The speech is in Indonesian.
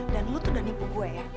dan lo tuh udah nipu gue ya